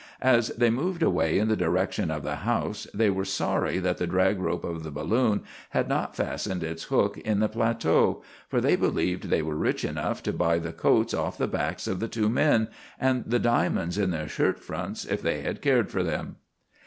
As they moved away in the direction of the house, they were sorry that the drag rope of the balloon had not fastened its hook in the plateau; for they believed they were rich enough to buy the coats off the backs of the two men, and the diamonds in their shirt fronts if they had cared for them.